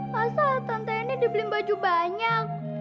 masa tante ini dibeli baju banyak